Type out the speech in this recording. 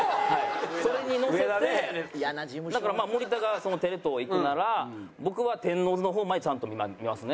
それに乗せてだからまあ森田がテレ東行くなら僕は天王洲の方までちゃんと見ますね。